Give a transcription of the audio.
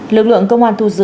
lực lượng công an thu giữ